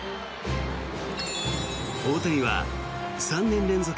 大谷は３年連続